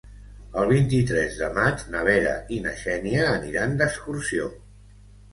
El vint-i-tres de maig na Vera i na Xènia aniran d'excursió.